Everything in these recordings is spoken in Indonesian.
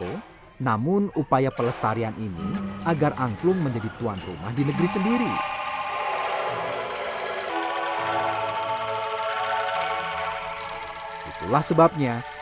lagunya seperti disebut permainan anak sunda yang tadi diperdunjukkan kami dipakai sebagai halaran atau arak arakan atau bisanya ada upacarainkatan lagu itu yang dirangkaikan menjadi keulinan orang lembur dengan nada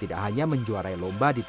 yang sederhana tadi